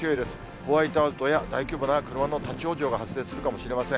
ホワイトアウトや大規模な車の立往生が発生するかもしれません。